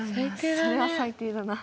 それは最低だな。